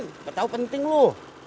gue tau penting lu